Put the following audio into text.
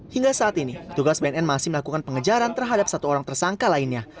hingga saat ini tugas bnn masih melakukan pengejaran terhadap satu orang tersangka lainnya